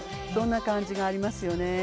そんな感じがありますよね。